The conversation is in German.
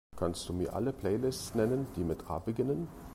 Kannst Du mir alle Playlists nennen, die mit A beginnen?